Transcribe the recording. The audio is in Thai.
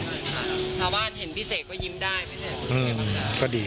ถ้าบ้านเห็นพี่เสกก็ยิ้มได้ไหม